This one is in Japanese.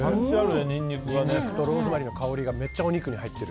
ニンニクとローズマリーの香りがめっちゃお肉に入ってる。